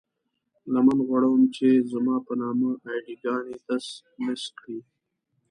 لمن غوړوم چې زما په نامه اې ډي ګانې تس نس کړئ.